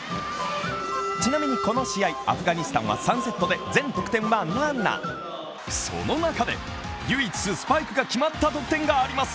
ちなみにこの試合、アフガニスタンは全得点は７その中で、唯一スパイクが決まった得点があります。